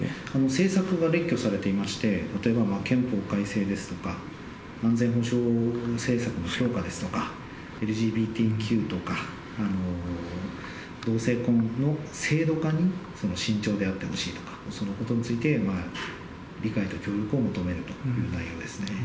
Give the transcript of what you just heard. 政策が列挙されていまして、例えば憲法改正ですとか、安全保障政策の強化ですとか、ＬＧＢＴＱとか、同性婚の制度化に慎重であってほしいとか、そのことについて理解と協力を求めるという内容ですね。